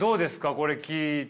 これ聞いて。